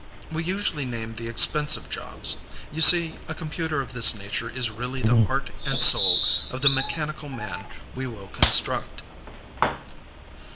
"We usually name the expensive jobs. You see, a computer of this nature is really the heart and soul of the mechanical man we will construct."